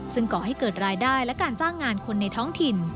ซึ่งก่อให้เกิดรายได้และการจ้างงานคนในท้องถิ่น